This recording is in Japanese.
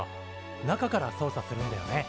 中から操作するんだよね。